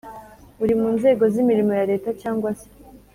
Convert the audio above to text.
ari mu nzego z imirimo ya Leta cyangwa se